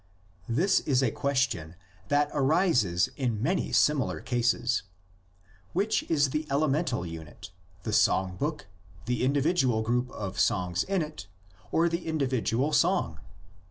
This is a question that arises in many similar cases: Which is the elemental unit: the song book, the individual group of songs in it, or the individual song?